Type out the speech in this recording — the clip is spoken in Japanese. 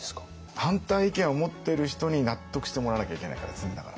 反対意見を持ってる人に納得してもらわなきゃいけないからですねだから。